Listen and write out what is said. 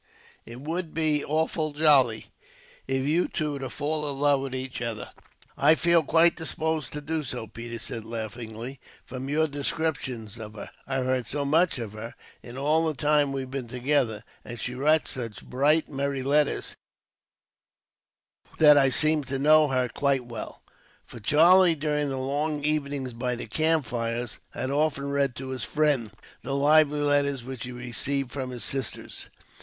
It would be awfully jolly, if you two were to fall in love with each other." "I feel quite disposed to do so," Peters said, laughing, "from your descriptions of her. I've heard so much of her, in all the time we've been together; and she writes such bright merry letters, that I seem to know her quite well." For Charlie, during the long evenings by the campfires, had often read to his friend the lively letters which he received from his sisters.